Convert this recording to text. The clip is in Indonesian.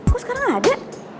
kok sekarang ada